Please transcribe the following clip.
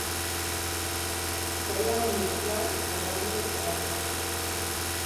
Tallar una flor arran de terra.